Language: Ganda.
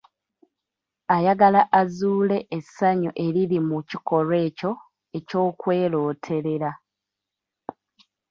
Ayagala azuule essanyu eriri mu kikolwa ekyo eky'okwerooterera.